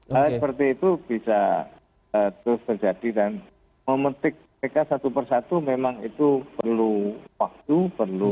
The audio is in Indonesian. hal seperti itu bisa terus terjadi dan memetik mereka satu persatu memang itu perlu waktu perlu